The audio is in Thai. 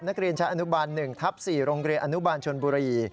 นักเรียนชั้นอนุบาล๑ทับ๔โรงเรียนอนุบาลชนบุรี